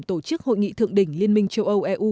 tổ chức hội nghị thượng đỉnh liên minh châu âu eu